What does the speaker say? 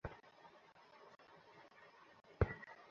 ব্যাস তৈরি হয়ে গেল ইলিশ পোলাও।